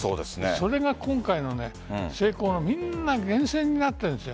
それが、今回の成功のみんな源泉になってるんです。